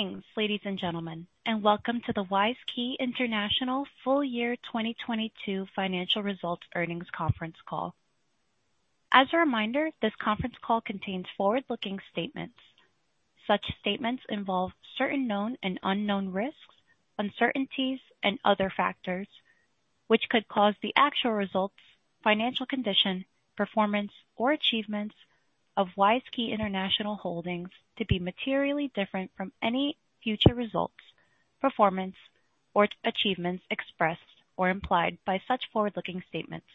Greetings, ladies and gentlemen, and welcome to the WISeKey International full year 2022 financial results earnings conference call. As a reminder, this conference call contains forward-looking statements. Such statements involve certain known and unknown risks, uncertainties and other factors, which could cause the actual results, financial condition, performance or achievements of WISeKey International Holdings to be materially different from any future results, performance or achievements expressed or implied by such forward-looking statements.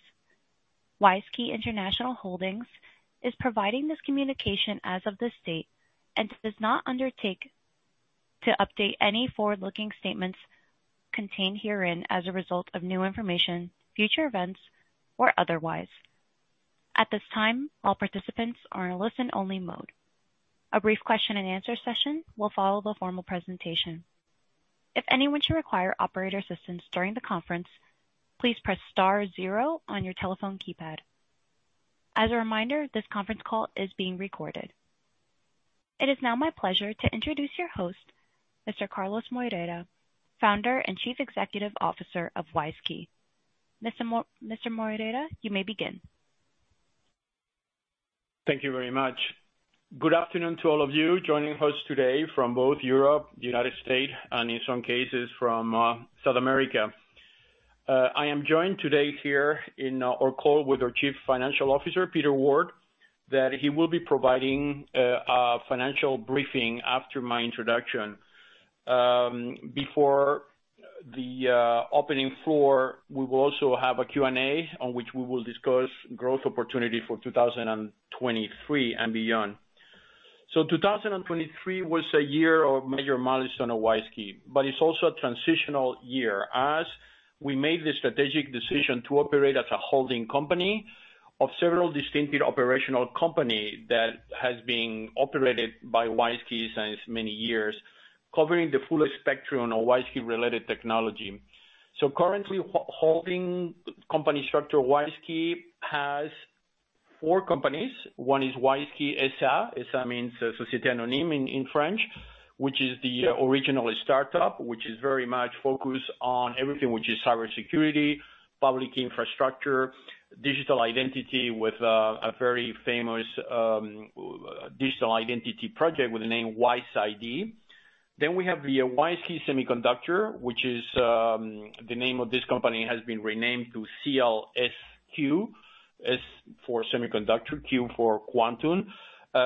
WISeKey International Holdings is providing this communication as of this date and does not undertake to update any forward-looking statements contained herein as a result of new information, future events or otherwise. At this time, all participants are in a listen only mode. A brief question-and-answer session will follow the formal presentation. If anyone should require operator assistance during the conference, please press star zero on your telephone keypad. As a reminder, this conference call is being recorded. It is now my pleasure to introduce your host, Mr. Carlos Moreira, Founder and Chief Executive Officer of WISeKey. Mr. Moreira, you may begin. Thank you very much. Good afternoon to all of you joining us today from both Europe, United States and in some cases from South America. I am joined today here in our call with our Chief Financial Officer, Peter Ward, that he will be providing a financial briefing after my introduction. Before the opening floor, we will also have a Q&A on which we will discuss growth opportunity for 2023 and beyond. 2023 was a year of major milestone at WISeKey, but it's also a transitional year as we made the strategic decision to operate as a holding company of several distinctive operational company that has been operated by WISeKey since many years, covering the full spectrum of WISeKey related technology. Currently holding company structure, WISeKey has four companies. One is WISeKey SA. SA means Société Anonyme in French, which is the original startup, which is very much focused on everything which is cybersecurity, public infrastructure, digital identity, with a very famous digital identity project with the name WISeID. We have the WISeKey Semiconductor, which is the name of this company has been renamed to SEALSQ. S for semiconductor, Q for quantum,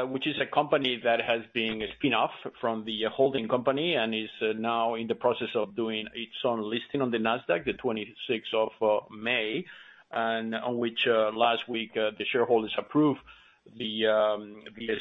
which is a company that has been a spin-off from the holding company and is now in the process of doing its own listing on the Nasdaq the 26th of May. On which last week the shareholders approved the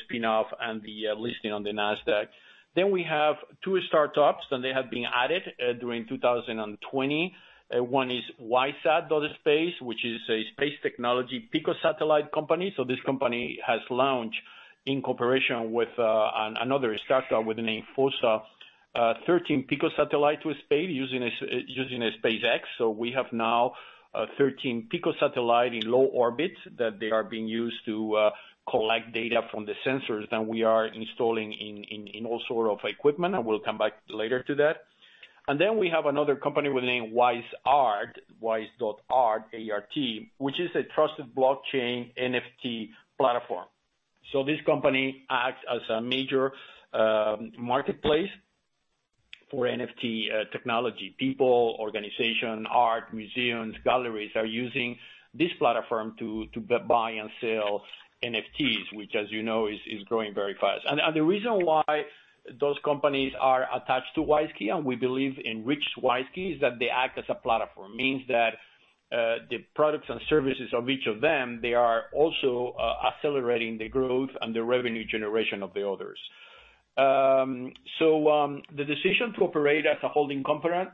spin-off and the listing on the Nasdaq. We have two startups, and they have been added during 2020. One is WISeSat.Space, which is a space technology picosatellite company. This company has launched in cooperation with another startup with the name FOSSA, 13 picosatellite to space using a SpaceX. We have now 13 picosatellite in low orbit that they are being used to collect data from the sensors that we are installing in all sort of equipment. We'll come back later to that. We have another company with name WISe.ART, WISe.ART, A-R-T, which is a trusted blockchain NFT platform. This company acts as a major marketplace for NFT technology. People, organization, art, museums, galleries are using this platform to buy and sell NFTs, which as you know is growing very fast. The reason why those companies are attached to WISeKey, and we believe enrich WISeKey, is that they act as a platform, means that the products and services of each of them, they are also accelerating the growth and the revenue generation of the others. The decision to operate as a holding company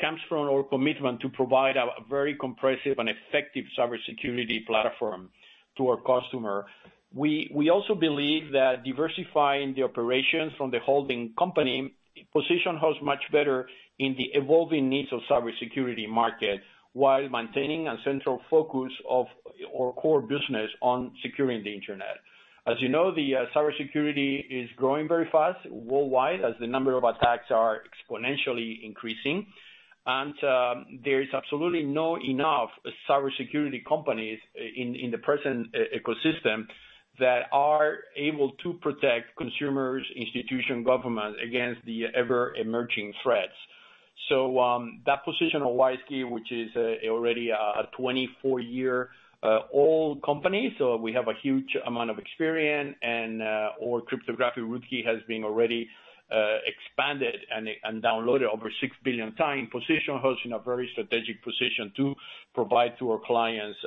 comes from our commitment to provide a very comprehensive and effective cybersecurity platform to our customer. We also believe that diversifying the operations from the holding company position us much better in the evolving needs of cybersecurity market while maintaining a central focus of our core business on securing the internet. You know, the cybersecurity is growing very fast worldwide as the number of attacks are exponentially increasing. There is absolutely no enough cybersecurity companies in the present ecosystem that are able to protect consumers, institutions, governments against the ever-emerging threats. That position of WISeKey, which is already a 24-year old company, so we have a huge amount of experience and our cryptographic root key has been already expanded and downloaded over 6 billion times, position us in a very strategic position to provide to our clients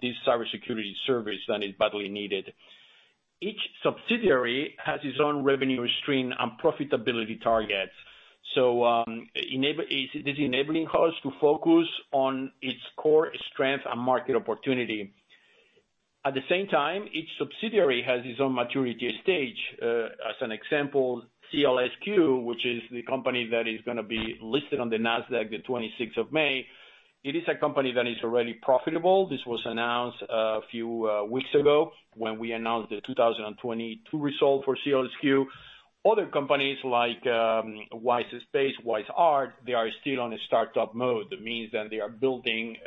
this cybersecurity service that is badly needed. Each subsidiary has its own revenue stream and profitability targets. This enabling us to focus on its core strength and market opportunity. At the same time, each subsidiary has its own maturity stage. As an example, SEALSQ, which is the company that is gonna be listed on the Nasdaq the 26th of May. It is a company that is already profitable. This was announced a few weeks ago when we announced the 2022 result for SEALSQ. Other companies like WISeSat, WISe.ART, they are still on a startup mode. That means that they are building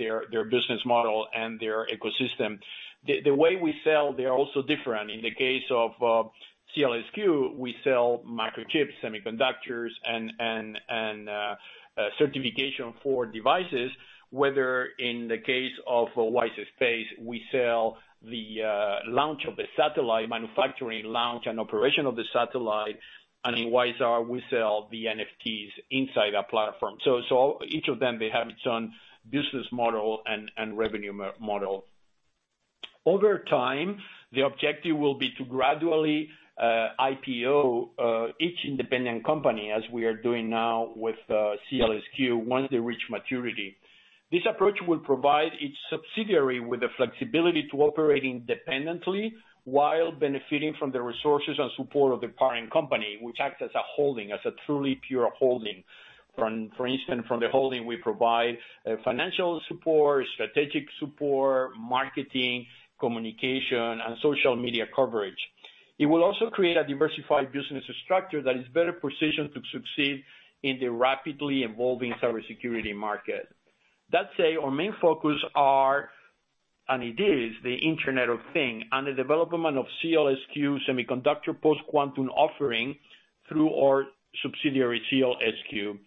their business model and their ecosystem. The way we sell, they are also different. In the case of SEALSQ, we sell microchips, semiconductors and certification for devices. In the case of WISeSat, we sell the launch of the satellite manufacturing launch and operation of the satellite. In WISe.ART, we sell the NFTs inside our platform. Each of them, they have its own business model and revenue model. Over time, the objective will be to gradually IPO each independent company as we are doing now with SEALSQ, once they reach maturity. This approach will provide each subsidiary with the flexibility to operate independently while benefiting from the resources and support of the parent company, which acts as a holding, as a truly pure holding. For instance, from the holding we provide financial support, strategic support, marketing, communication, and social media coverage. It will also create a diversified business structure that is better positioned to succeed in the rapidly evolving cybersecurity market. That said, our main focus are, and it is, the Internet of Things and the development of SEALSQ semiconductor post-quantum offering through our subsidiary, SEALSQ.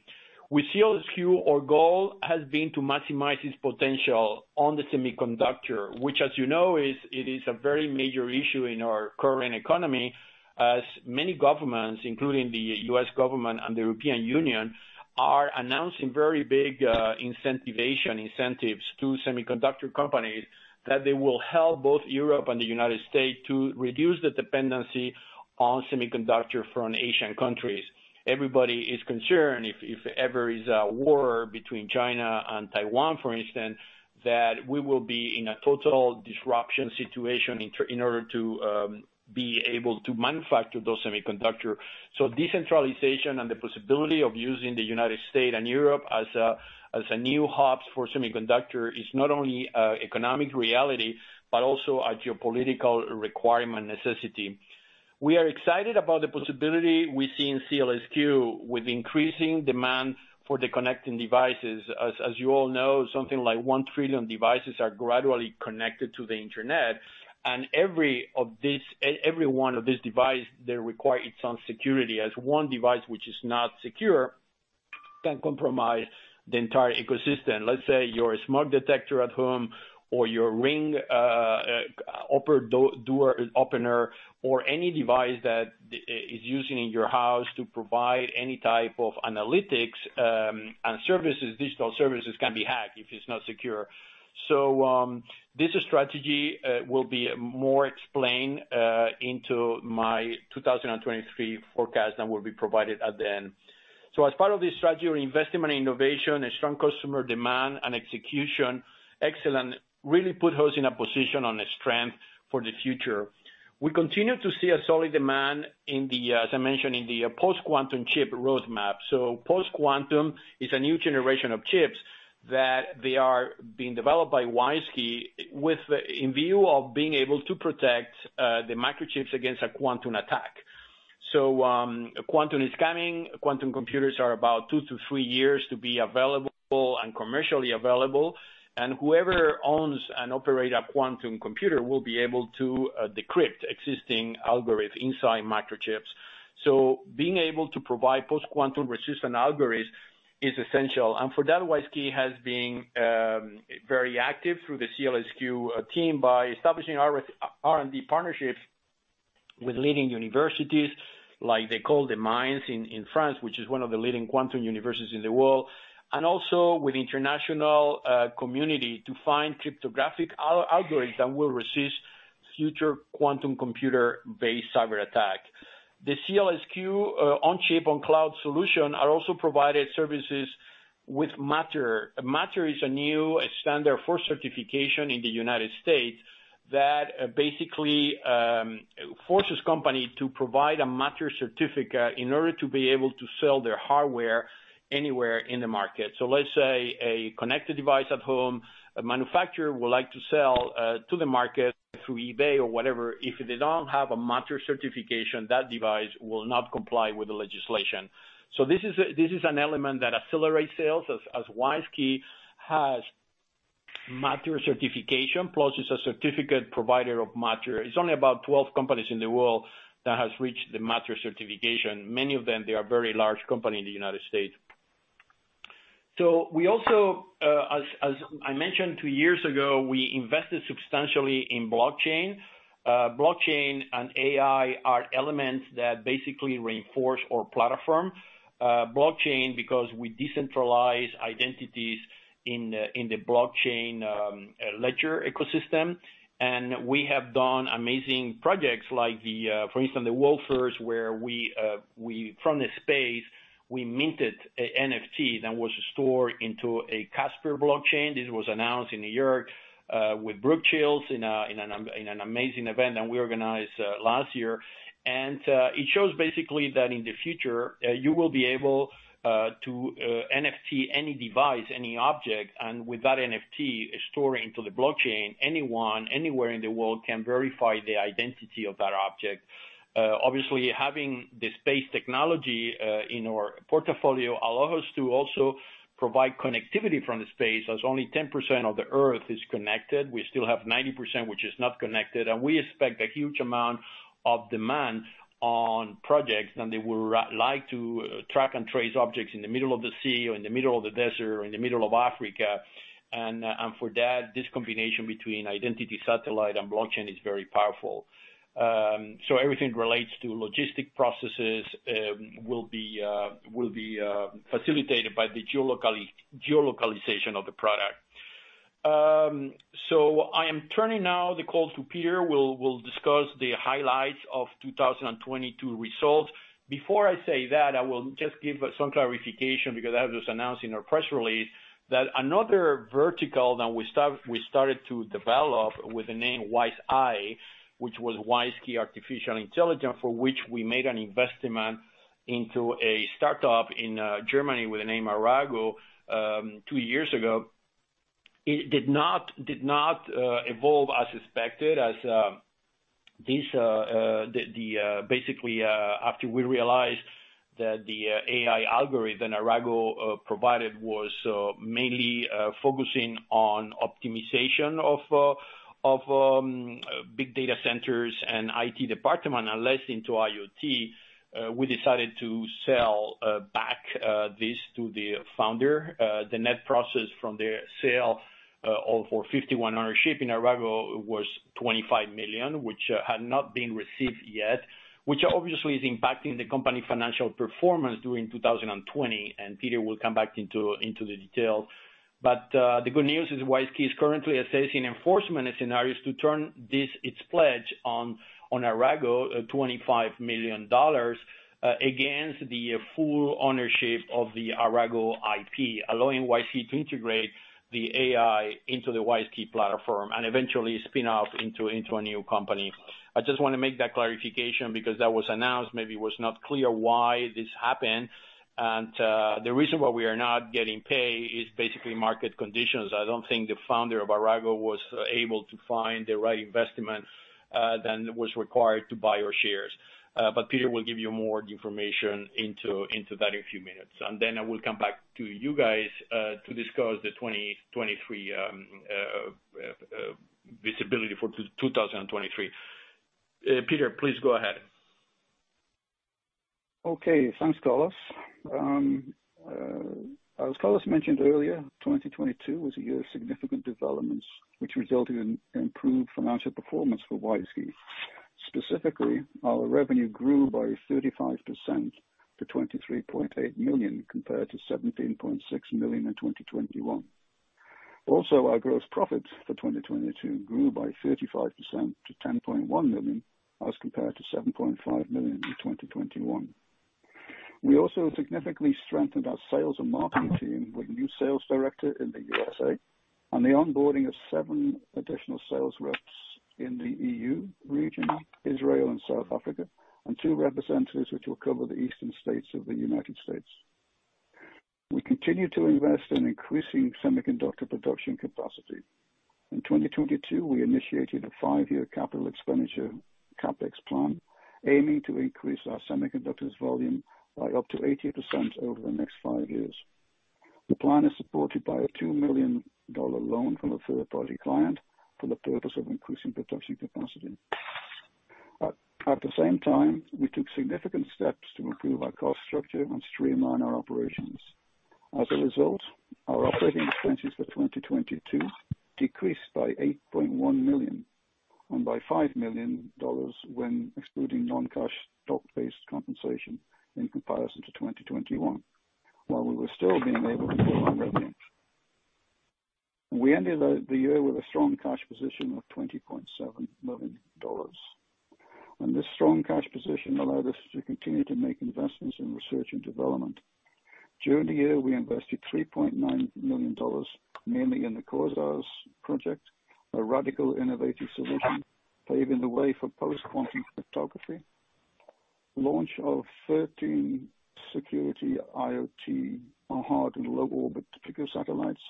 With SEALSQ, our goal has been to maximize its potential on the semiconductor, which as you know, it is a very major issue in our current economy, as many governments, including the U.S. government and the European Union, are announcing very big incentivization incentives to semiconductor companies that they will help both Europe and the United States to reduce the dependency on semiconductor from Asian countries. Everybody is concerned if ever is a war between China and Taiwan, for instance, that we will be in a total disruption situation in order to be able to manufacture those semiconductor. Decentralization and the possibility of using the United States and Europe as a new hubs for semiconductor is not only a economic reality, but also a geopolitical requirement necessity. We are excited about the possibility we see in SEALSQ with increasing demand for the connecting devices. As you all know, something like 1 trillion devices are gradually connected to the Internet, and every one of this device, they require its own security. As one device which is not secure can compromise the entire ecosystem. Let's say your smart detector at home or your ring door opener or any device that is used in your house to provide any type of analytics and services, digital services, can be hacked if it's not secure. This strategy will be more explained into my 2023 forecast that will be provided at the end. As part of this strategy, we're investing in innovation and strong customer demand and execution, excellent, really put us in a position on a strength for the future. We continue to see a solid demand in the, as I mentioned, in the post-quantum chip roadmap. Post-quantum is a new generation of chips that they are being developed by WISeKey with the... in view of being able to protect the microchips against a quantum attack. Quantum is coming. Quantum computers are about two to three years to be available and commercially available, and whoever owns and operate a quantum computer will be able to decrypt existing algorithms inside microchips. Being able to provide post-quantum resistant algorithms is essential. For that, WISeKey has been very active through the SEALSQ team by establishing R&D partnerships with leading universities, like they call The MINES in France, which is one of the leading quantum universities in the world, and also with international community to find cryptographic algorithms that will resist future quantum computer-based cyberattack. SEALSQ on-chip and cloud solution are also provided services with Matter. Matter is a new standard for certification in the United States that basically forces company to provide a Matter certificate in order to be able to sell their hardware anywhere in the market. Let's say a connected device at home, a manufacturer would like to sell to the market through eBay or whatever. If they don't have a Matter certification, that device will not comply with the legislation. This is an element that accelerates sales as WISeKey has Matter certification, plus it's a certificate provider of Matter. It's only about 12 companies in the world that has reached the Matter certification. Many of them, they are very large company in the United States. We also, as I mentioned two years ago, we invested substantially in blockchain. Blockchain and AI are elements that basically reinforce our platform. Blockchain because we decentralize identities in the blockchain ledger ecosystem. We have done amazing projects like for instance, the Wolfers, where we from the space, we minted a NFT that was stored into a Casper blockchain. This was announced in New York with Brooke Shields in an amazing event that we organized last year. It shows basically that in the future, you will be able to NFT any device, any object, and with that NFT stored into the blockchain, anyone, anywhere in the world can verify the identity of that object. Obviously having the space technology in our portfolio allows us to also provide connectivity from the space, as only 10% of the Earth is connected. We still have 90% which is not connected, and we expect a huge amount of demand on projects, and they would like to track and trace objects in the middle of the sea or in the middle of the desert or in the middle of Africa. For that, this combination between identity, satellite and blockchain is very powerful. Everything relates to logistic processes, will be facilitated by the geolocalization of the product. I am turning now the call to Peter, we'll discuss the highlights of 2022 results. Before I say that, I will just give some clarification because I have just announced in our press release that another vertical that we started to develop with the name WISeAI, which was WISeKey artificial intelligence, for which we made an investment into a startup in Germany with the name Arago, two years ago. It did not evolve as expected as this the basically after we realized that the AI algorithm Arago provided was mainly focusing on optimization of big data centers and IT department, and less into IoT, we decided to sell back this to the founder. The net proceeds from the sale for 51 ownership in Arago was $25 million, which had not been received yet, which obviously is impacting the company financial performance during 2020. Peter will come back into the details. The good news is WISeKey is currently assessing enforcement scenarios to turn this, its pledge on Arago, $25 million, against the full ownership of the Arago IP, allowing WISeKey to integrate the AI into the WISeKey platform and eventually spin off into a new company. I just wanna make that clarification because that was announced, maybe it was not clear why this happened. The reason why we are not getting paid is basically market conditions. I don't think the founder of Arago was able to find the right investment than was required to buy our shares. Peter will give you more information into that in a few minutes. I will come back to you guys to discuss the 2023 visibility for 2023. Peter, please go ahead. Okay. Thanks, Carlos. As Carlos mentioned earlier, 2022 was a year of significant developments which resulted in improved financial performance for WISeKey. Specifically, our revenue grew by 35% to $23.8 million, compared to $17.6 million in 2021. Our gross profit for 2022 grew by 35% to $10.1 million, as compared to $7.5 million in 2021. We also significantly strengthened our sales and marketing team with a new sales director in the USA and the onboarding of seven additional sales reps in the EU region, Israel and South Africa, and two representatives which will cover the eastern states of the United States. We continue to invest in increasing semiconductor production capacity. In 2022, we initiated a five year capital expenditure CapEx plan aiming to increase our semiconductors volume by up to 80% over the next five years. The plan is supported by a $2 million loan from a third party client for the purpose of increasing production capacity. At the same time, we took significant steps to improve our cost structure and streamline our operations. As a result, our operating expenses for 2022 decreased by $8.1 million and by $5 million when excluding non-cash stock-based compensation in comparison to 2021, while we were still being able to grow our revenue. We ended the year with a strong cash position of $20.7 million. This strong cash position allowed us to continue to make investments in research and development. During the year, we invested $3.9 million, mainly in the QUASARS project, a radical innovative solution paving the way for post-quantum cryptography. Launch of 13 security IoT on hard and low orbit particular satellites.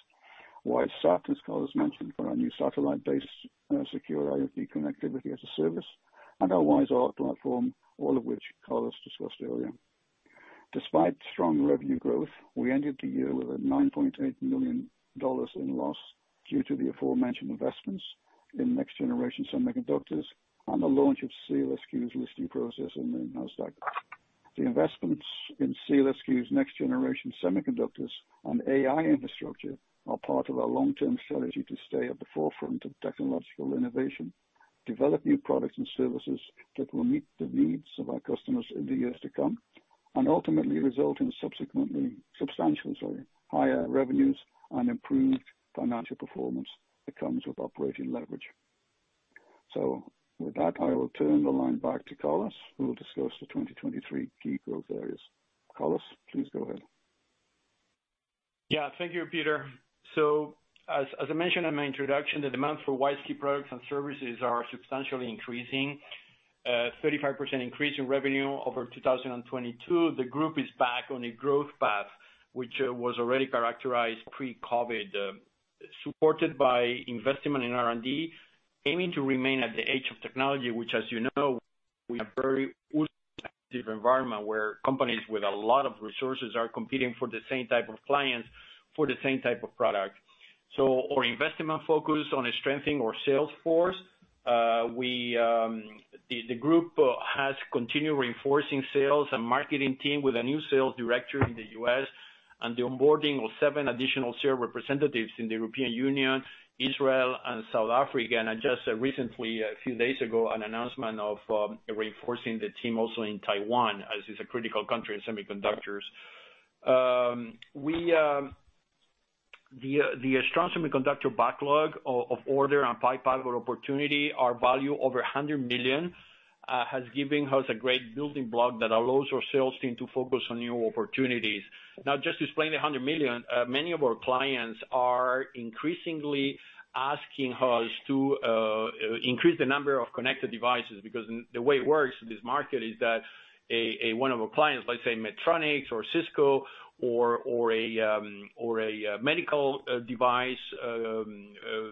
WISeSat, as Carlos mentioned, for our new satellite-based, secure IoT connectivity as a service, and our WISeAI platform, all of which Carlos discussed earlier. Despite strong revenue growth, we ended the year with a $9.8 million in loss due to the aforementioned investments in next generation semiconductors and the launch of SEALSQ's listing process on the Nasdaq. The investments in SEALSQ's next generation semiconductors and AI infrastructure are part of our long-term strategy to stay at the forefront of technological innovation, develop new products and services that will meet the needs of our customers in the years to come, and ultimately result in substantially, sorry, higher revenues and improved financial performance that comes with operating leverage. With that, I will turn the line back to Carlos, who will discuss the 2023 key growth areas. Carlos, please go ahead. Yeah. Thank you, Peter. As I mentioned in my introduction, the demand for WISeKey products and services are substantially increasing. 35% increase in revenue over 2022. The group is back on a growth path, which was already characterized pre-COVID. Supported by investment in R&D, aiming to remain at the edge of technology, which as you know, we have very active environment where companies with a lot of resources are competing for the same type of clients for the same type of product. Our investment focus on strengthening our sales force, we, the group has continued reinforcing sales and marketing team with a new sales director in the U.S. and the onboarding of 7 additional sales representatives in the European Union, Israel and South Africa. Just recently, a few days ago, an announcement of reinforcing the team also in Taiwan, as is a critical country in semiconductors. We the strong semiconductor backlog of order and pipeline of opportunity are valued over $100 million has given us a great building block that allows our sales team to focus on new opportunities. Now, just to explain the $100 million, many of our clients are increasingly asking us to increase the number of connected devices, because the way it works in this market is that a one of our clients, let's say Medtronic or Cisco or a medical device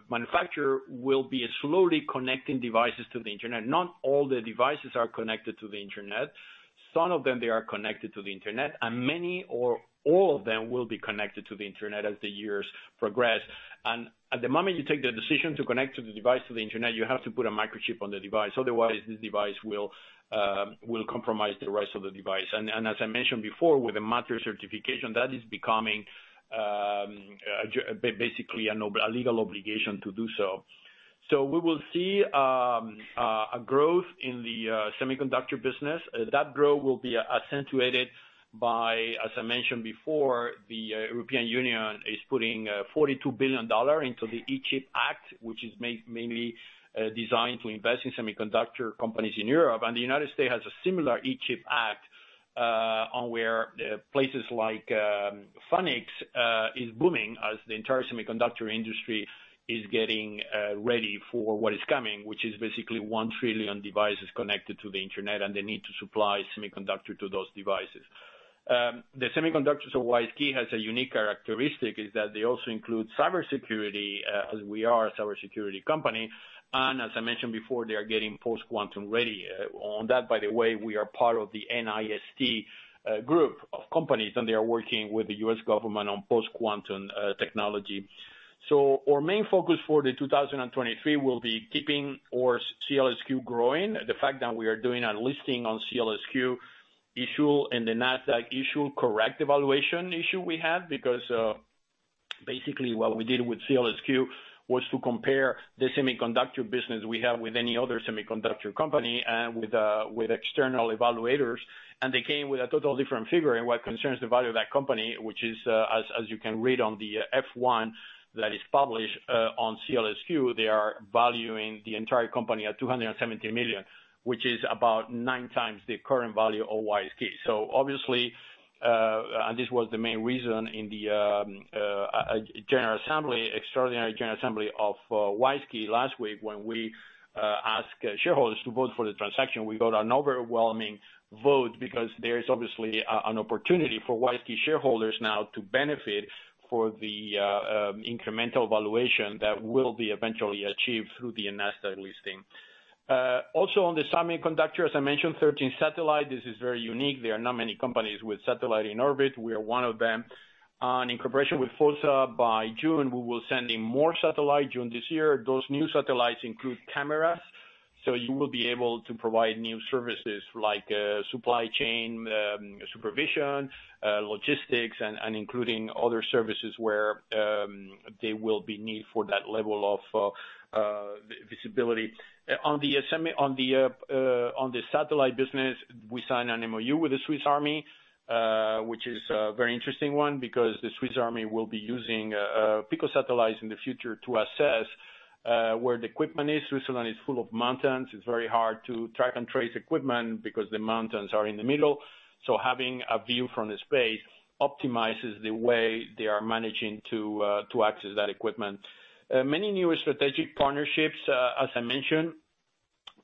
manufacturer will be slowly connecting devices to the Internet. Not all the devices are connected to the Internet. Some of them, they are connected to the Internet, and many or all of them will be connected to the Internet as the years progress. At the moment you take the decision to connect to the device to the Internet, you have to put a microchip on the device. Otherwise, this device will compromise the rest of the device. As I mentioned before, with the Matter certification, that is becoming basically a legal obligation to do so. We will see a growth in the semiconductor business. That growth will be accentuated by, as I mentioned before, the European Union is putting $42 billion into the Chips Act, which is mainly designed to invest in semiconductor companies in Europe. The United States has a similar Chips Act on where places like Phoenix is booming as the entire semiconductor industry is getting ready for what is coming, which is basically 1 trillion devices connected to the Internet, and they need to supply semiconductor to those devices. The semiconductors of WISeKey has a unique characteristic, is that they also include cybersecurity as we are a cybersecurity company. As I mentioned before, they are getting post-quantum ready. On that, by the way, we are part of the NIST group of companies, and they are working with the U.S. government on post-quantum technology. Our main focus for 2023 will be keeping our SEALSQ growing. The fact that we are doing a listing on SEALSQ issue and the Nasdaq issue, correct evaluation issue we have because, basically what we did with SEALSQ was to compare the semiconductor business we have with any other semiconductor company and with external evaluators, and they came with a total different figure in what concerns the value of that company, which is, as you can read on the F1 that is published on SEALSQ, they are valuing the entire company at $270 million, which is about 9 times the current value of WISeKey. Obviously, and this was the main reason in the general assembly, extraordinary general assembly of WISeKey last week when we asked shareholders to vote for the transaction, we got an overwhelming vote because there is obviously an opportunity for WISeKey shareholders now to benefit for the incremental valuation that will be eventually achieved through the Nasdaq listing. On the semiconductor, as I mentioned, 13 satellite. This is very unique. There are not many companies with satellite in orbit. We are one of them. And in cooperation with FOSSA, by June, we will send in more satellite, June this year. Those new satellites include cameras, so you will be able to provide new services like supply chain supervision, logistics and including other services where there will be need for that level of visibility. On the satellite business, we signed an MoU with the Swiss Armed Forces, which is a very interesting one because the Swiss Armed Forces will be using picosatellites in the future to assess where the equipment is. Switzerland is full of mountains. It's very hard to track and trace equipment because the mountains are in the middle. Having a view from the space optimizes the way they are managing to access that equipment. Many new strategic partnerships, as I mentioned.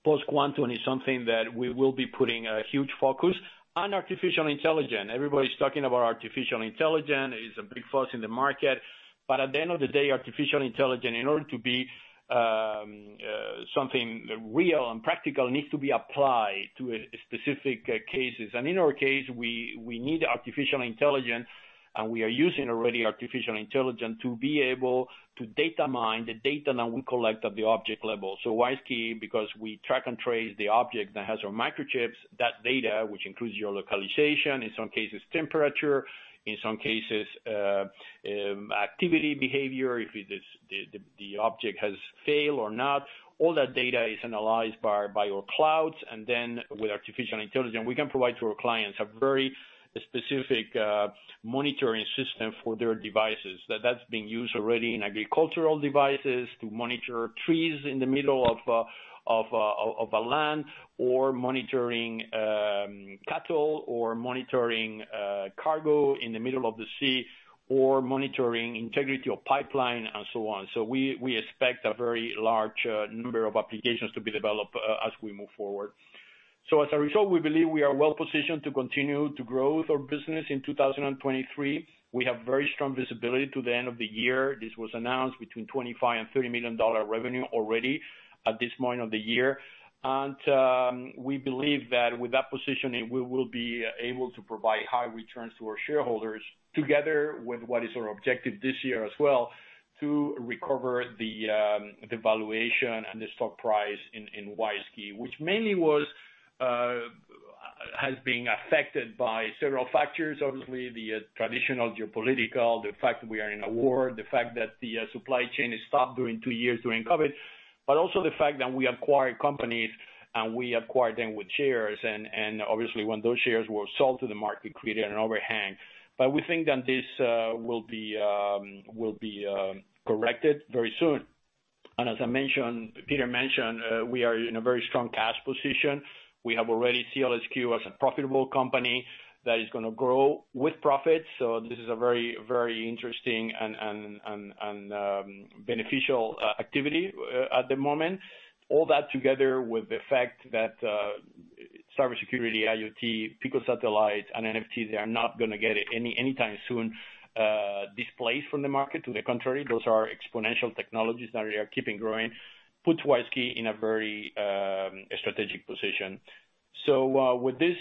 Post-quantum is something that we will be putting a huge focus on artificial intelligence. Everybody's talking about artificial intelligence. It's a big fuss in the market. At the end of the day, artificial intelligence, in order to be something real and practical, needs to be applied to specific cases. In our case, we need artificial intelligence, and we are using already artificial intelligence to be able to data mine the data that we collect at the object level. WISeKey, because we track and trace the object that has our microchips, that data, which includes your localization, in some cases temperature, in some cases activity behavior, if the object has failed or not, all that data is analyzed by our clouds. Then with artificial intelligence, we can provide to our clients a very specific monitoring system for their devices. That's being used already in agricultural devices to monitor trees in the middle of a land or monitoring cattle or monitoring cargo in the middle of the sea or monitoring integrity of pipeline and so on. We expect a very large number of applications to be developed as we move forward. As a result, we believe we are well positioned to continue to grow with our business in 2023. We have very strong visibility to the end of the year. This was announced between $25 million-$30 million revenue already at this point of the year. We believe that with that positioning, we will be able to provide high returns to our shareholders together with what is our objective this year as well, to recover the valuation and the stock price in WISeKey, which mainly was has been affected by several factors. Obviously, the traditional geopolitical, the fact that we are in a war, the fact that the supply chain is stopped during two years during COVID, also the fact that we acquired companies and we acquired them with shares. Obviously when those shares were sold to the market, created an overhang. We think that this will be corrected very soon. As I mentioned, Peter mentioned, we are in a very strong cash position. We have already SEALSQ as a profitable company that is gonna grow with profits. This is a very, very interesting and beneficial activity at the moment. All that together with the fact that cybersecurity, IoT, picosatellites and NFTs are not gonna get anytime soon, displaced from the market. To the contrary, those are exponential technologies that are keeping growing, puts WISeKey in a very strategic position. With this,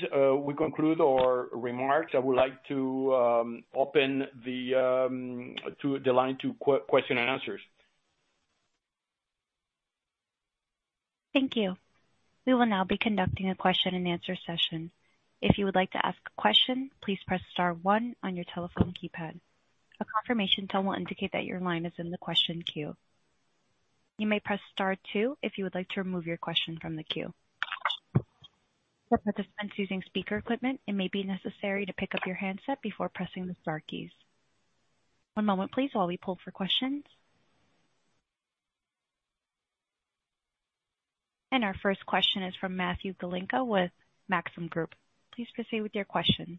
we conclude our remarks. I would like to open the line to question and answers. Thank you. We will now be conducting a question and answer session. If you would like to ask a question, please press star one on your telephone keypad. A confirmation tone will indicate that your line is in the question queue. You may press star two if you would like to remove your question from the queue. For participants using speaker equipment, it may be necessary to pick up your handset before pressing the star keys. One moment please, while we pull for questions. Our first question is from Matthew Galinko with Maxim Group. Please proceed with your question.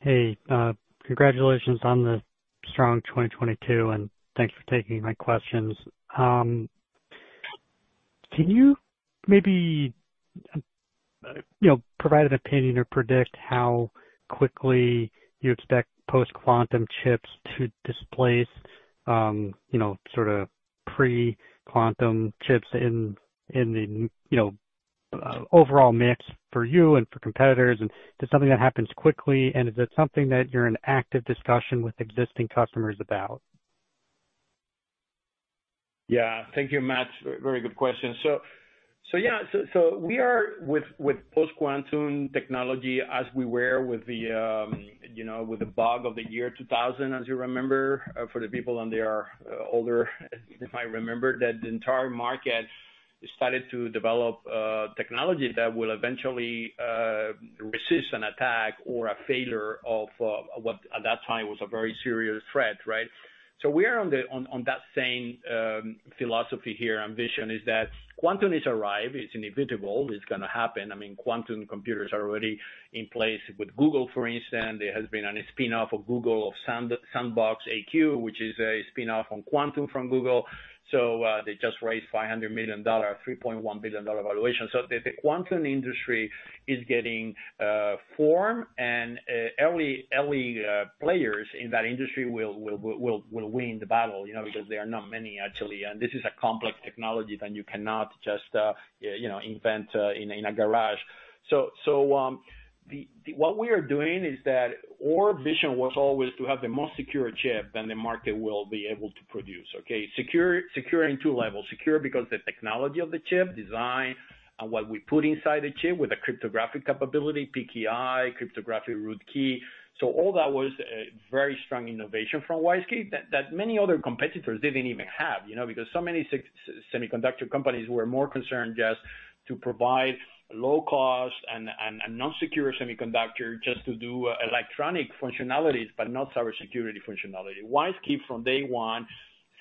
Hey, congratulations on the strong 2022, and thanks for taking my questions. Can you maybe, you know, provide an opinion or predict how quickly you expect post-quantum chips to displace, you know, sort of pre-quantum chips in the, you know, overall mix for you and for competitors? Is it something that happens quickly, and is it something that you're in active discussion with existing customers about? Yeah. Thank you, Matt. Very good question. Yeah. We are with post-quantum technology as we were with the, you know, with the bug of the year 2000, as you remember, for the people on their older, if I remember, that the entire market started to develop technology that will eventually resist an attack or a failure of what at that time was a very serious threat, right? We are on that same philosophy here and vision, is that quantum is arrive, it's inevitable, it's gonna happen. I mean, quantum computers are already in place with Google, for instance. There has been a spinoff of Google, of SandboxAQ, which is a spinoff on quantum from Google. They just raised $500 million, $3.1 billion evaluation. The quantum industry is getting form and early players in that industry will win the battle, you know, because there are not many actually. This is a complex technology that you cannot just, you know, invent in a garage. The, what we are doing is that our vision was always to have the most secure chip than the market will be able to produce, okay? Secure in two levels. Secure because the technology of the chip design and what we put inside the chip with a cryptographic capability, PKI, cryptographic root key. All that was a very strong innovation from WISeKey that many other competitors didn't even have. You know, because so many semiconductor companies were more concerned just to provide low cost and non-secure semiconductor just to do electronic functionalities, but not cybersecurity functionality. WISeKey from day one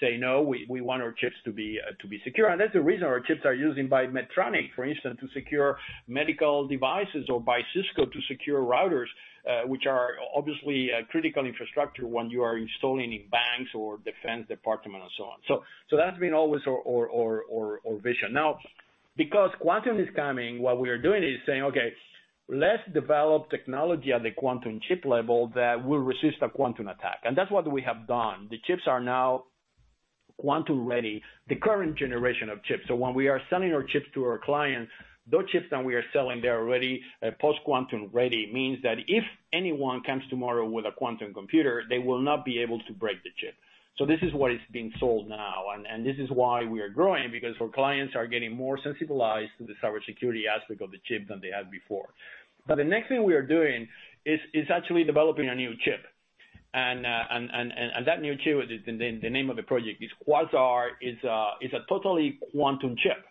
say, "No, we want our chips to be secure." That's the reason our chips are used by Medtronic, for instance, to secure medical devices or by Cisco to secure routers, which are obviously a critical infrastructure when you are installing in banks or Defense Department and so on. So that's been always our vision. Now, because quantum is coming, what we are doing is saying, okay. Let's develop technology at the quantum chip level that will resist a quantum attack. That's what we have done. The chips are now quantum ready, the current generation of chips. When we are selling our chips to our clients, those chips that we are selling, they're already post-quantum ready. Means that if anyone comes tomorrow with a quantum computer, they will not be able to break the chip. This is what is being sold now, and this is why we are growing, because our clients are getting more sensitized to the cybersecurity aspect of the chip than they had before. The next thing we are doing is actually developing a new chip. That new chip, the name of the project is QUASAR, is a totally quantum chip.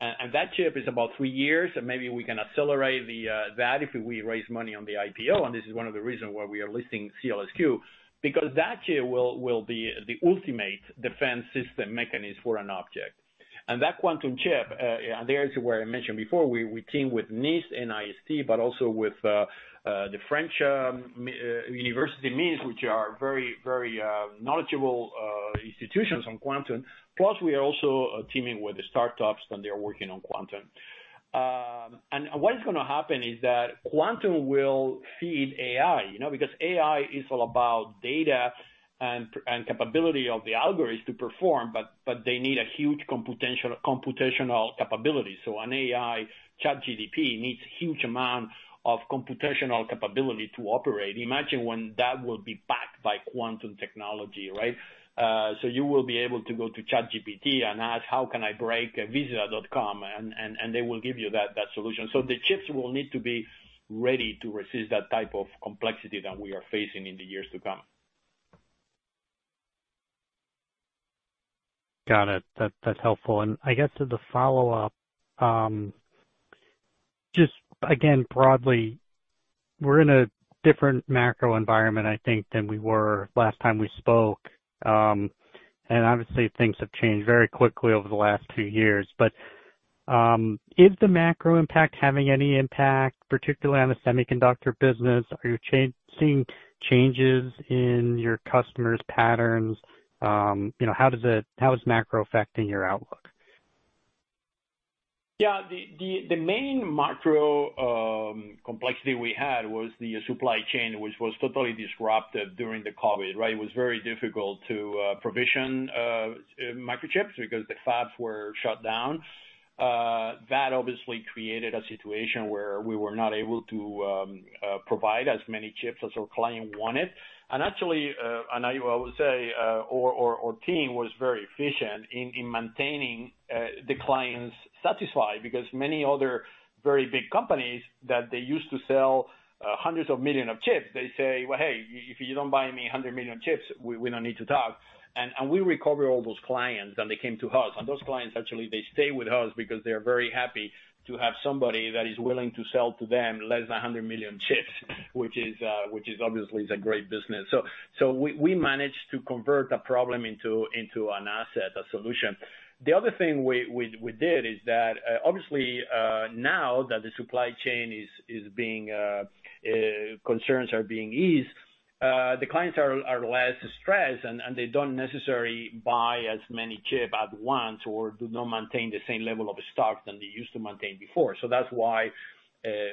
That chip is about three years, and maybe we can accelerate the that if we raise money on the IPO, and this is one of the reasons why we are listing SEALSQ, because that chip will be the ultimate defense system mechanism for an object. That quantum chip, there's where I mentioned before, we team with NIST and IST, but also with the French university MINES, which are very, very knowledgeable institutions on quantum. We are also teaming with the startups, and they are working on quantum. What is gonna happen is that quantum will feed AI, you know, because AI is all about data and capability of the algorithms to perform, but they need a huge computational capability. An AI, ChatGPT, needs huge amount of computational capability to operate. Imagine when that will be backed by quantum technology, right? You will be able to go to ChatGPT and ask how can I break Visa.com, and they will give you that solution. The chips will need to be ready to resist that type of complexity that we are facing in the years to come. Got it. That's helpful. I guess as a follow-up, just again, broadly, we're in a different macro environment, I think, than we were last time we spoke. Obviously things have changed very quickly over the last two years. Is the macro impact having any impact, particularly on the semiconductor business? Are you seeing changes in your customers' patterns? You know, how is macro affecting your outlook? Yeah. The main macro complexity we had was the supply chain, which was totally disrupted during the COVID, right? It was very difficult to provision microchips because the fabs were shut down. That obviously created a situation where we were not able to provide as many chips as our client wanted. Actually, and I would say, our team was very efficient in maintaining the clients satisfied, because many other very big companies that they used to sell hundreds of million of chips, they say, "Well, hey, if you don't buy me 100 million chips, we don't need to talk." We recover all those clients, and they came to us. Those clients actually, they stay with us because they're very happy to have somebody that is willing to sell to them less than 100 million chips, which is obviously a great business. We managed to convert a problem into an asset, a solution. The other thing we did is that obviously, now that the supply chain concerns are being eased, the clients are less stressed and they don't necessarily buy as many chip at once or do not maintain the same level of stock than they used to maintain before. That's why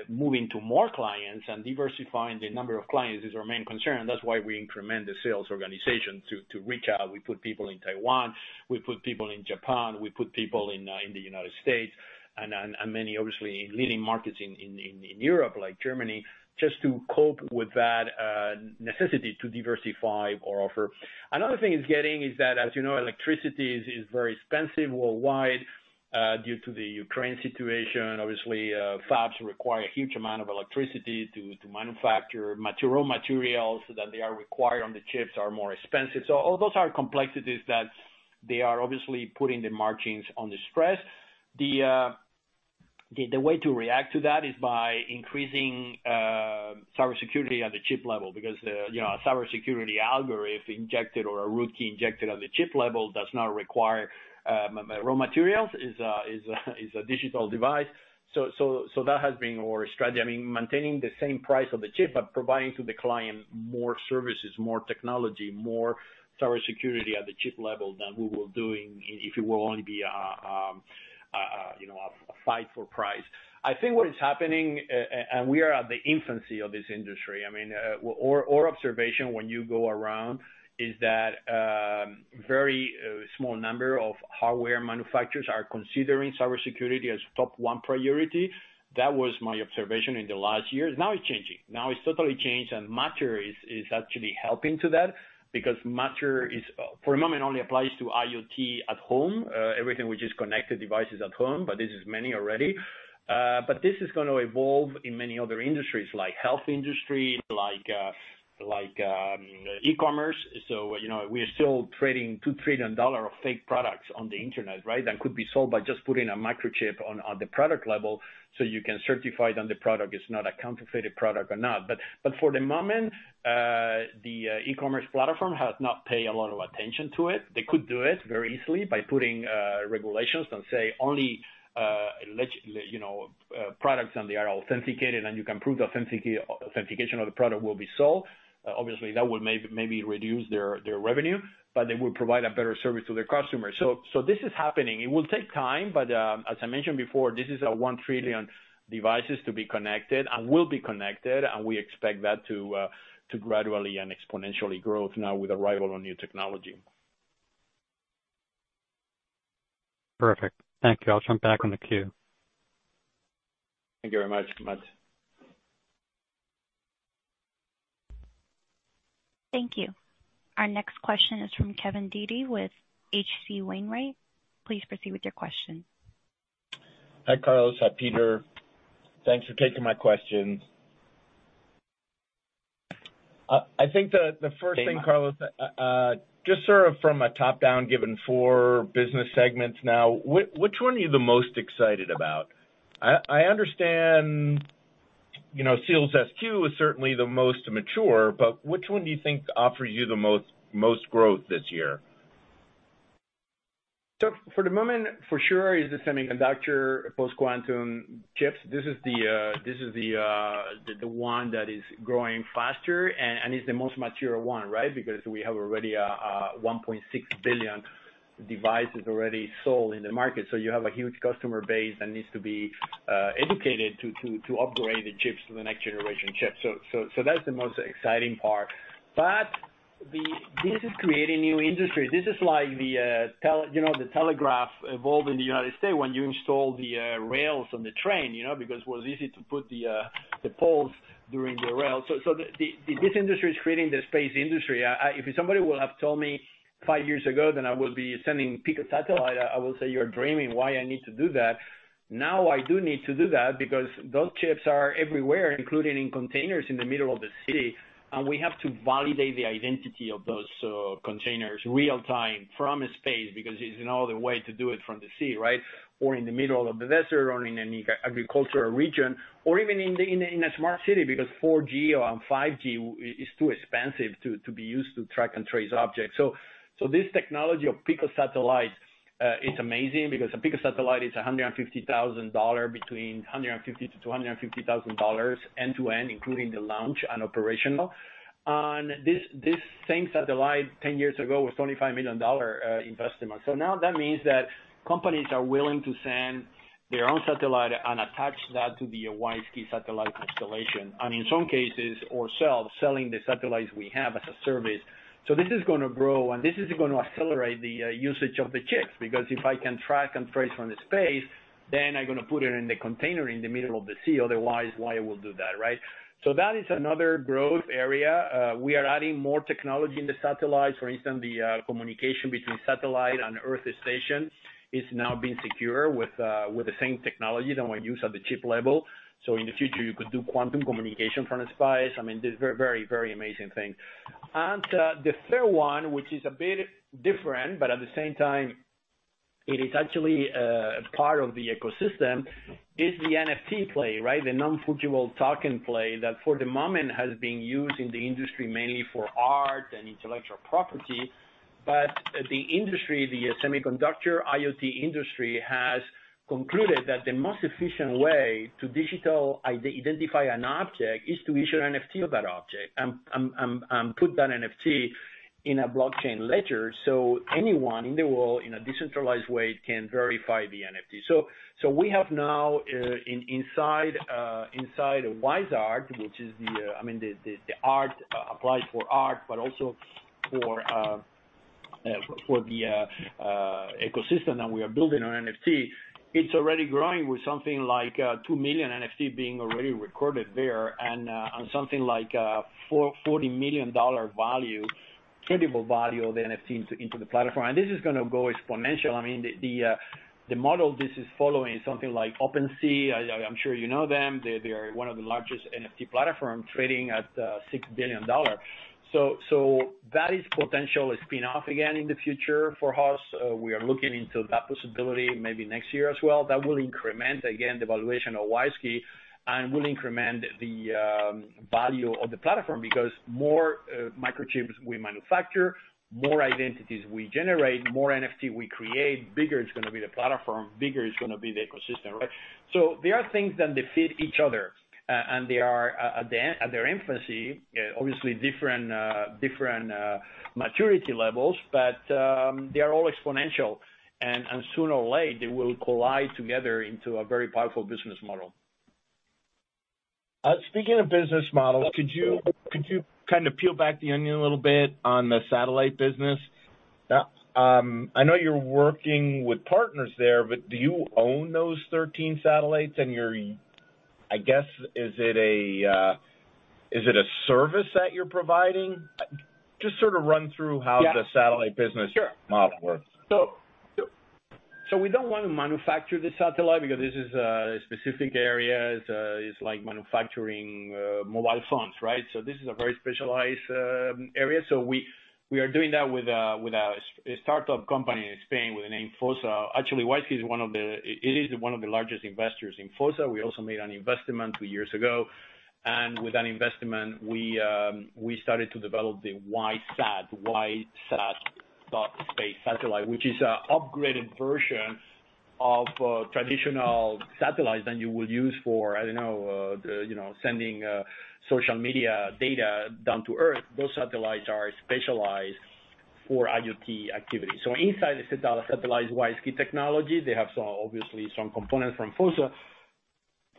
moving to more clients and diversifying the number of clients is our main concern. That's why we increment the sales organization to reach out. We put people in Taiwan, we put people in Japan, we put people in the United States and many obviously leading markets in Europe, like Germany, just to cope with that necessity to diversify our offer. Another thing is that, as you know, electricity is very expensive worldwide, due to the Ukraine situation. Obviously, fabs require a huge amount of electricity to manufacture material. Materials that they are required on the chips are more expensive. All those are complexities that they are obviously putting the margins under stress. The way to react to that is by increasing cybersecurity at the chip level because, you know, a cybersecurity algorithm injected or a root key injected at the chip level does not require raw materials. Is a digital device. That has been our strategy. I mean, maintaining the same price of the chip, but providing to the client more services, more technology, more cybersecurity at the chip level than we were doing if it were only be, you know, a fight for price. I think what is happening, and we are at the infancy of this industry. I mean, our observation when you go around is that very small number of hardware manufacturers are considering cybersecurity as top one priority. That was my observation in the last years. Now it's changing. Now it's totally changed, and Matter is actually helping to that because Matter is for the moment, only applies to IoT at home, everything which is connected devices at home, but this is many already. This is gonna evolve in many other industries like health industry, like e-commerce. You know, we are still trading $2 trillion of fake products on the internet, right? That could be solved by just putting a microchip on, at the product level, so you can certify that the product is not a counterfeited product or not. For the moment, the e-commerce platform has not paid a lot of attention to it. They could do it very easily by putting regulations and say only, you know, products and they are authenticated and you can prove the authentication of the product will be sold. Obviously, that would maybe reduce their revenue, but they will provide a better service to their customers. This is happening. It will take time, but, as I mentioned before, this is a 1 trillion devices to be connected and will be connected, and we expect that to gradually and exponentially growth now with the arrival of new technology. Perfect. Thank you. I'll jump back on the queue. Thank you very much, Matt. Thank you. Our next question is from Kevin Dede with H.C. Wainwright & Co. Please proceed with your question. Hi, Carlos. Hi, Peter. Thanks for taking my questions. I think the first thing, Carlos, just sort of from a top-down, given four business segments now, which one are you the most excited about? I understand, you know, SEALSQ is certainly the most mature, but which one do you think offers you the most growth this year? For the moment, for sure is the semiconductor post-quantum chips. This is the one that is growing faster and is the most mature one, right? Because we have already 1.6 billion devices already sold in the market. You have a huge customer base that needs to be educated to upgrade the chips to the next generation chips. That's the most exciting part. This is creating new industry. This is like the, you know, the telegraph evolved in the United States when you installed the rails on the train, you know, because it was easy to put the poles during the rail. This industry is creating the space industry. if somebody would have told me five years ago that I will be sending picosatellite, I will say, "You're dreaming. Why I need to do that?" Now I do need to do that because those chips are everywhere, including in containers in the middle of the city, and we have to validate the identity of those containers real time from space because there's no other way to do it from the sea, right? Or in the middle of the desert or in any agricultural region, or even in the, in a, in a smart city because 4G and 5G is too expensive to be used to track and trace objects. This technology of picosatellites is amazing because a picosatellite is $150,000, between $150,000-$250,000 end-to-end, including the launch and operational. This same satellite 10-years ago was a $25 million investment. Now that means that companies are willing to send their own satellite and attach that to the WISeKey satellite constellation, and in some cases, or selling the satellites we have as a service. This is gonna grow, and this is gonna accelerate the usage of the chips, because if I can track and trace from the space, then I'm gonna put it in the container in the middle of the sea. Otherwise, why I will do that, right? That is another growth area. We are adding more technology in the satellites. For instance, the communication between satellite and earth station is now being secure with the same technology that we use at the chip level. In the future, you could do quantum communication from the space. I mean, this very, very, very amazing thing. The third one, which is a bit different, but at the same time it is actually part of the ecosystem, is the NFT play, right? The non-fungible token play that for the moment has been used in the industry mainly for art and intellectual property. The industry, the semiconductor IoT industry, has concluded that the most efficient way to digital identify an object is to issue an NFT of that object and put that NFT in a blockchain ledger, so anyone in the world, in a decentralized way, can verify the NFT. We have now inside WISe.ART, which is the, I mean, the art, applied for art, but also for the ecosystem that we are building on NFT, it's already growing with something like 2 million NFT being already recorded there and on something like $40 million value, credible value of the NFT into the platform. This is gonna go exponential. I mean, the model this is following is something like OpenSea. I'm sure you know them. They are one of the largest NFT platforms trading at $6 billion. That is potential spin-off again in the future for us. We are looking into that possibility maybe next year as well. That will increment again the valuation of WISeKey and will increment the value of the platform because more microchips we manufacture, more identities we generate, more NFT we create, bigger is gonna be the platform, bigger is gonna be the ecosystem, right? There are things that they fit each other, and they are at their infancy, obviously different maturity levels, but they are all exponential. sooner or later, they will collide together into a very powerful business model. Speaking of business models, could you kind of peel back the onion a little bit on the satellite business? I know you're working with partners there, but do you own those 13 satellites and I guess, is it a service that you're providing? Just sort of run through how. Yeah. The satellite business. Sure. Model works. We don't want to manufacture the satellite because this is specific areas. It's like manufacturing mobile phones, right? This is a very specialized area. We are doing that with a start-up company in Spain with the name FOSSA. Actually, WISeKey is one of the largest investors in FOSSA. We also made an investment two years ago, and with that investment, we started to develop the WISeSat.Space satellite, which is a upgraded version of traditional satellites that you would use for, I don't know, the, you know, sending social media data down to earth. Those satellites are specialized for IoT activities. Inside the satellite WISeKey technology, they have some, obviously some components from FOSSA.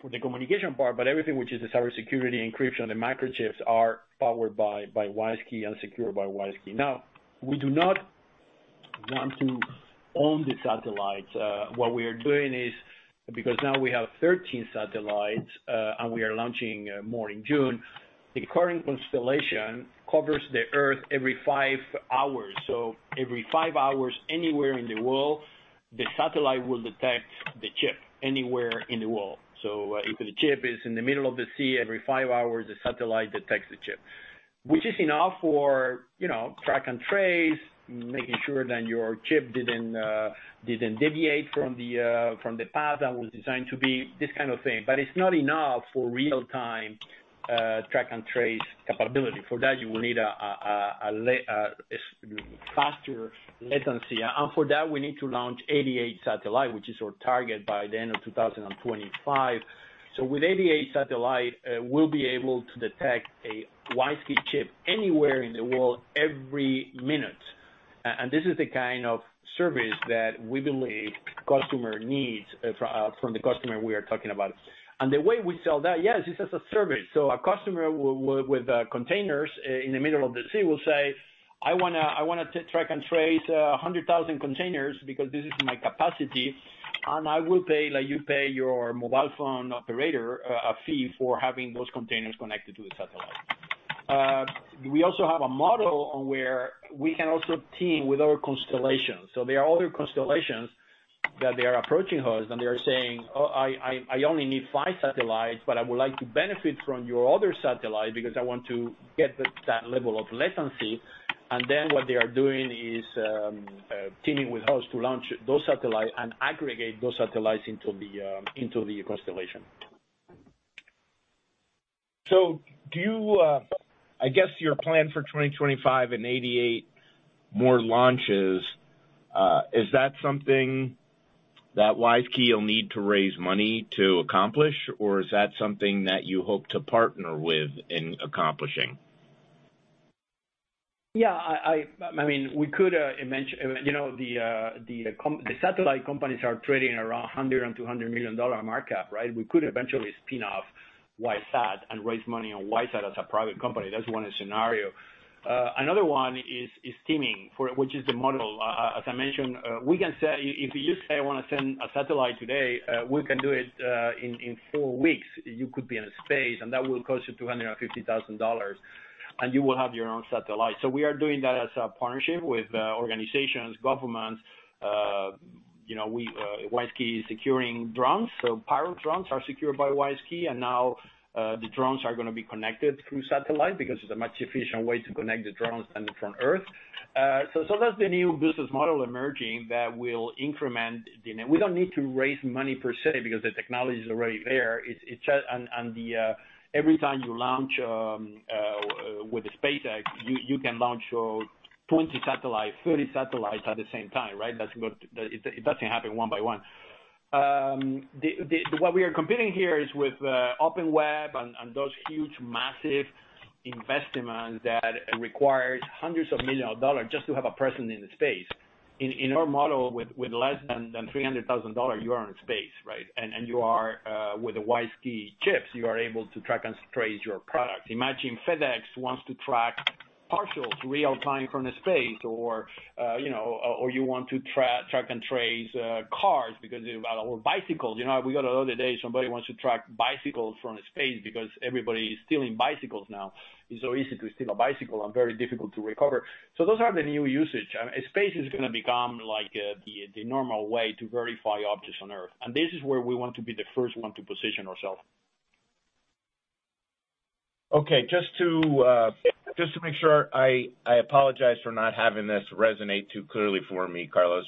For the communication part, but everything which is the cybersecurity, encryption, the microchips are powered by WISeKey and secured by WISeKey. We do not want to own the satellites. What we are doing is, because now we have 13 satellites, and we are launching more in June, the current constellation covers the earth every five hours. Every five hours, anywhere in the world, the satellite will detect the chip anywhere in the world. If the chip is in the middle of the sea, every five hours, the satellite detects the chip. Which is enough for, you know, track and trace, making sure that your chip didn't deviate from the path that was designed to be, this kind of thing. It's not enough for real-time, track and trace capability. For that, you will need faster latency. For that, we need to launch 88 satellite, which is our target by the end of 2025. With 88 satellite, we'll be able to detect a WISeKey chip anywhere in the world every minute. This is the kind of service that we believe customer needs from the customer we are talking about. The way we sell that, yes, it's as a service. A customer with containers in the middle of the sea will say, "I wanna, I wanna track and trace 100,000 containers because this is my capacity, and I will pay," like you pay your mobile phone operator, a fee for having those containers connected to the satellite. We also have a model on where we can also team with other constellations. There are other constellations that they are approaching us, and they are saying, "Oh, I only need five satellites, but I would like to benefit from your other satellite because I want to get that level of latency." What they are doing is teaming with us to launch those satellite and aggregate those satellites into the constellation. Do you I guess your plan for 2025 and 88 more launches, is that something that WISeKey will need to raise money to accomplish, or is that something that you hope to partner with in accomplishing? Yeah. I mean, we could mention. You know, the satellite companies are trading around $100 million-$200 million market, right? We could eventually spin off WISeSat and raise money on WISeSat as a private company. That's one scenario. Another one is teaming for which is the model. As I mentioned, if you say, "I wanna send a satellite today," we can do it in four weeks. You could be in space, and that will cost you $250,000, and you will have your own satellite. We are doing that as a partnership with organizations, governments. You know, we WISeKey is securing drones. Pilot drones are secured by WISeKey, and now, the drones are gonna be connected through satellite because it's a much efficient way to connect the drones than from Earth. That's the new business model emerging that will increment the net. We don't need to raise money per se because the technology is already there. The every time you launch with the SpaceX, you can launch 20 satellites, 30 satellites at the same time, right? It doesn't happen one by one. The what we are competing here is with OpenWeb and those huge massive investments that requires $100s of millions just to have a person in the space. In our model with less than $300,000, you are in space, right? You are with the WISeKey chips, you are able to track and trace your product. Imagine FedEx wants to track parcels real time from the space or, you know, or you want to track and trace cars because they've got Or bicycles. You know, we got the other day, somebody wants to track bicycles from the space because everybody is stealing bicycles now. It's so easy to steal a bicycle and very difficult to recover. Those are the new usage. Space is gonna become like the normal way to verify objects on Earth. This is where we want to be the first one to position ourself. Okay. Just to make sure, I apologize for not having this resonate too clearly for me, Carlos,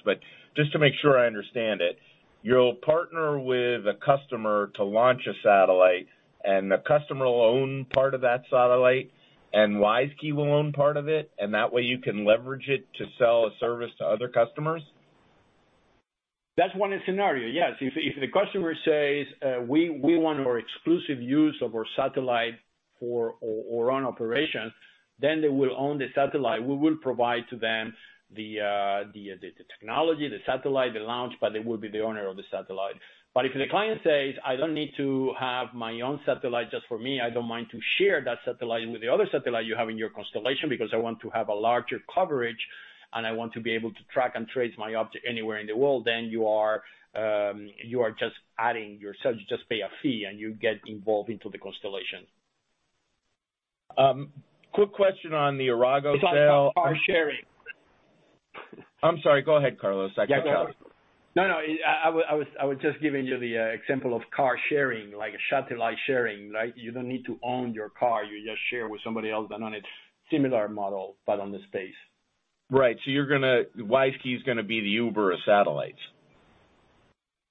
just to make sure I understand it, you'll partner with a customer to launch a satellite, and the customer will own part of that satellite, and WISeKey will own part of it, and that way you can leverage it to sell a service to other customers? That's one scenario, yes. If the customer says, "We want our exclusive use of our satellite for our own operation," they will own the satellite. We will provide to them the technology, the satellite, the launch, they will be the owner of the satellite. If the client says, "I don't need to have my own satellite just for me, I don't mind to share that satellite with the other satellite you have in your constellation because I want to have a larger coverage, and I want to be able to track and trace my object anywhere in the world," you are just adding yourself. You just pay a fee, and you get involved into the constellation. Quick question on the Arago sale. It's like car sharing. I'm sorry. Go ahead, Carlos. I cut you off. Yeah, go ahead. No, no. I was just giving you the example of car sharing, like a satellite sharing, right? You don't need to own your car. You just share with somebody else and own it. Similar model, on the space. Right. WISeKey is gonna be the Uber of satellites.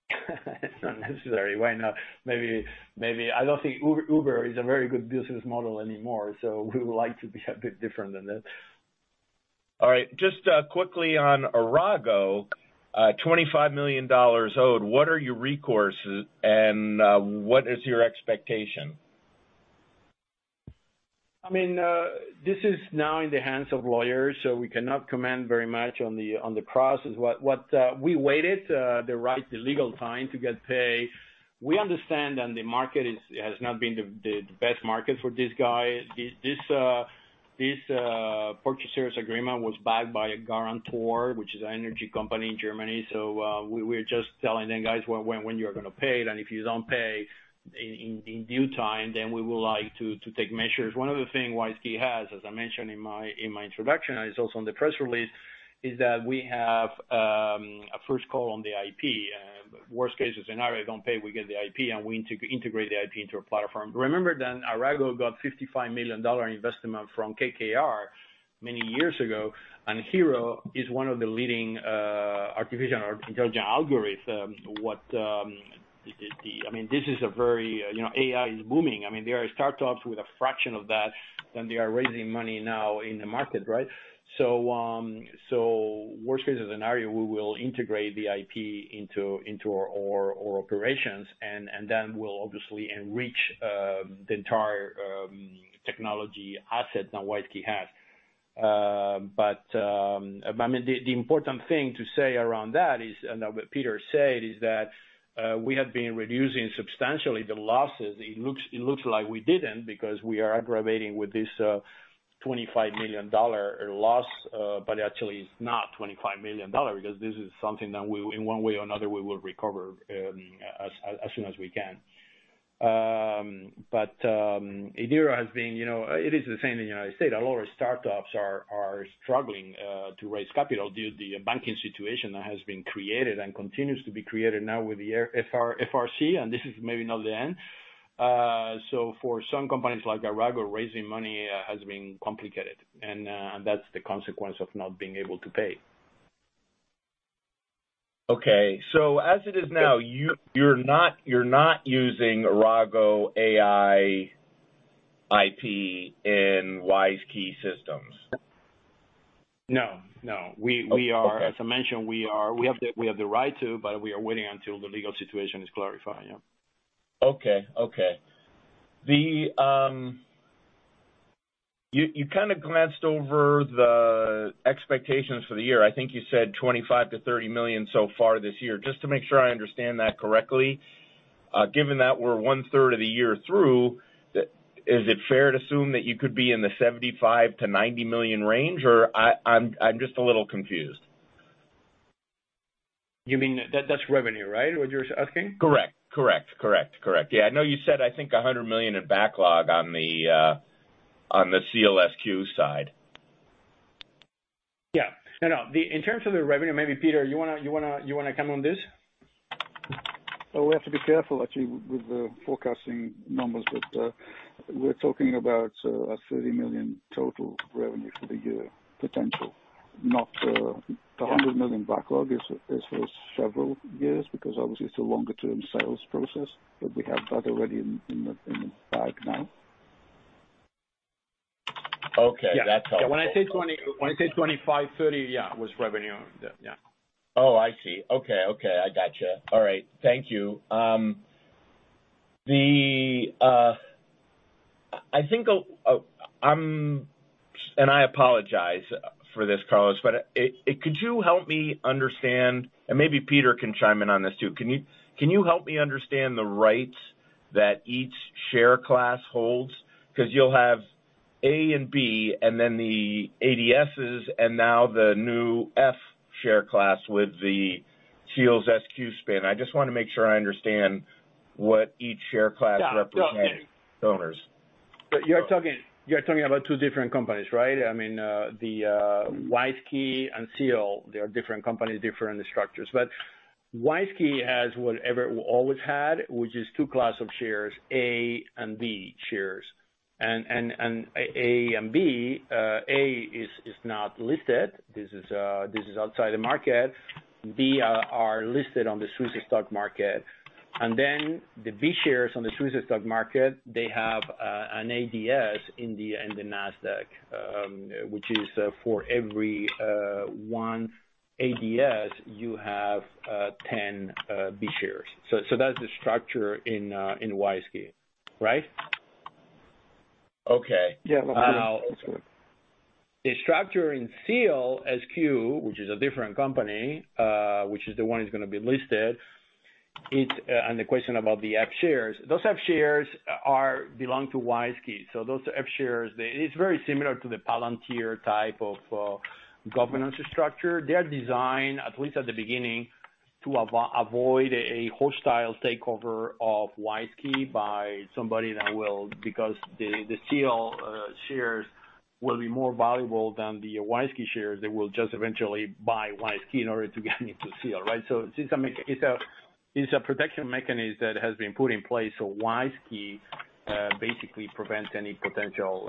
It's not necessary. Why not? Maybe. I don't think Uber is a very good business model anymore. We would like to be a bit different than that. All right. Just quickly on Arago, $25 million owed, what are your recourses, and what is your expectation? I mean, this is now in the hands of lawyers, so we cannot comment very much on the process. What we waited, the right legal time to get paid. We understand that the market is not been the best market for this guy. This purchasers agreement was backed by a guarantor, which is an energy company in Germany. We're just telling them, "Guys, when you're gonna pay, then if you don't pay in due time, then we would like to take measures." One of the things WISeKey has, as I mentioned in my introduction, and it's also on the press release, is that we have a first call on the IP. Worst case scenario, they don't pay, we get the IP and we integrate the IP into our platform. Remember Arago got $55 million investment from KKR many years ago, and HIRO is one of the leading artificial intelligence algorithms. I mean, this is a very, you know, AI is booming. I mean, there are startups with a fraction of that, and they are raising money now in the market, right? Worst case scenario, we will integrate the IP into our operations and then we'll obviously enrich the entire technology assets that WISeKey has. I mean, the important thing to say around that is, and what Peter said, is that we have been reducing substantially the losses. It looks like we didn't because we are aggravating with this, $25 million loss. actually it's not $25 million because this is something that we, in one way or another, we will recover, as soon as we can. Idira has been, you know, it is the same in the United States. A lot of startups are struggling to raise capital due to the banking situation that has been created and continues to be created now with the FRC, and this is maybe not the end. for some companies like Arago, raising money has been complicated, and that's the consequence of not being able to pay. Okay. as it is now, you're not using Arago AI IP in WISeKey systems? No, no. We. Okay. As I mentioned, we have the right to. We are waiting until the legal situation is clarified. Yeah. Okay. Okay. You kind of glanced over the expectations for the year. I think you said $25 million-$30 million so far this year. Just to make sure I understand that correctly, given that we're one third of the year through, is it fair to assume that you could be in the $75 million-$90 million range, or I'm just a little confused? You mean that's revenue, right? What you're asking? Correct. Correct. Correct. Correct. Yeah. I know you said, I think $100 million in backlog on the, on the SEALSQ side. Yeah. No, no. In terms of the revenue, maybe Peter, you wanna come on this? We have to be careful actually with the forecasting numbers, but we're talking about a $30 million total revenue for the year potential. Okay. The $100 million backlog is for several years because obviously it's a longer-term sales process. We have that already in the bag now. Okay. That's helpful. Yeah. When I say 20, when I say 25, 30, yeah, it was revenue. Yeah. Oh, I see. Okay. Okay. I gotcha. All right. Thank you. I think I apologize for this, Carlos, but could you help me understand, and maybe Peter can chime in on this too. Can you help me understand the rights that each share class holds? 'Cause you'll have A and B and then the ADSs and now the new F share class with the SEALSQ spin. I just wanna make sure I understand what each share class represents. Yeah. No. -owners. You're talking about two different companies, right? I mean, the WISeKey and SEALSQ, they are different companies, different structures. WISeKey has whatever it always had, which is two class of shares, A and B shares. A and B, A is not listed. This is outside the market. B are listed on the Swiss stock market. The B shares on the Swiss stock market, they have an ADS in the Nasdaq, which is for every one ADS you have 10 B shares. That's the structure in WISeKey, right? Okay. Yeah. That's correct. The structure in SEALSQ, which is a different company, which is the one that's gonna be listed, and the question about the F shares. Those F shares belong to WISeKey. It's very similar to the Palantir type of governance structure. They are designed, at least at the beginning, to avoid a hostile takeover of WISeKey by somebody that will, because the SEALSQ shares will be more valuable than the WISeKey shares. They will just eventually buy WISeKey in order to gain into SEALSQ, right? It's a protection mechanism that has been put in place so WISeKey basically prevents any potential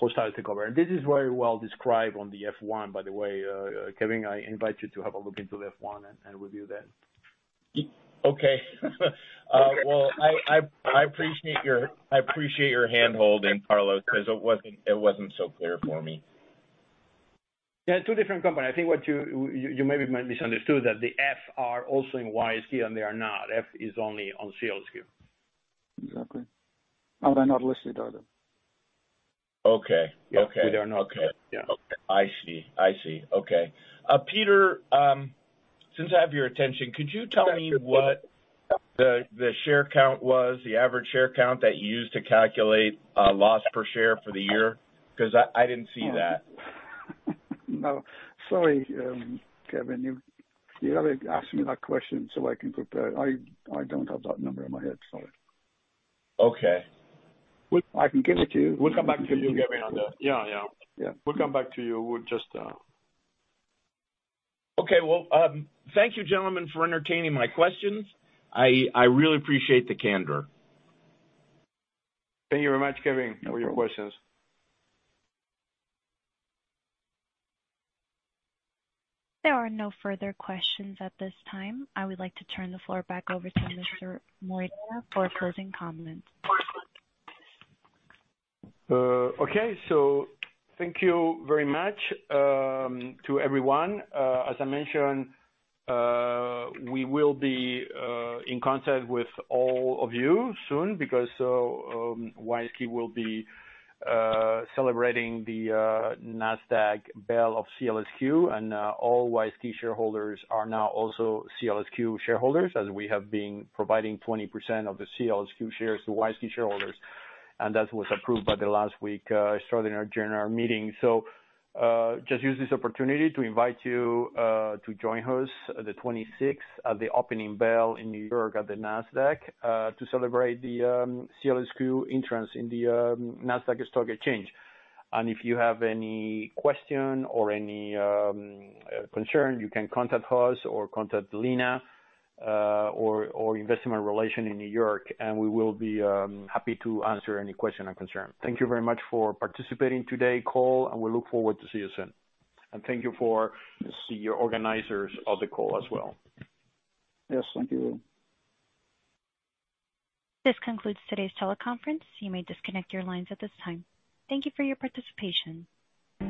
hostile takeover. This is very well described on the F-1, by the way. Kevin, I invite you to have a look into the F-1 and review that. Okay. well, I appreciate your handholding, Carlos, cause it wasn't so clear for me. Yeah, two different companies. I think what you maybe misunderstood that the F are also in WISeKey and they are not. F is only on SEALSQ. Exactly. Oh, they're not listed either. Okay. Okay. They're not. Okay. I see. I see. Okay. Peter, since I have your attention, could you tell me what the share count was, the average share count that you used to calculate loss per share for the year? Because I didn't see that. No. Sorry, Kevin, you have to ask me that question so I can prepare. I don't have that number in my head. Sorry. Okay. I can give it to you. We'll come back to you, Kevin, on that. Yeah. Yeah. We'll come back to you. We'll just. Okay. Well, thank you, gentlemen, for entertaining my questions. I really appreciate the candor. Thank you very much, Kevin, for your questions. No problem. There are no further questions at this time. I would like to turn the floor back over to Mr. Moreira for closing comments. Okay, thank you very much to everyone. As I mentioned, we will be in contact with all of you soon. WISeKey will be celebrating the Nasdaq bell of SEALSQ. All WISeKey shareholders are now also SEALSQ shareholders, as we have been providing 20% of the SEALSQ shares to WISeKey shareholders. That was approved by the last week extraordinary general meeting. Just use this opportunity to invite you to join us, the 26th, at the opening bell in New York at the Nasdaq to celebrate the SEALSQ entrance in the Nasdaq stock exchange. If you have any question or any concern, you can contact us or contact Lina, or investor relations in New York. We will be happy to answer any question or concern. Thank you very much for participating today call. We look forward to see you soon. Thank you for the organizers of the call as well. Yes. Thank you. This concludes today's teleconference. You may disconnect your lines at this time. Thank you for your participation.